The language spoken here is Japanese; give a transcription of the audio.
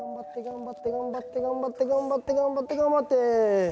頑張って頑張って頑張って頑張って頑張って頑張って。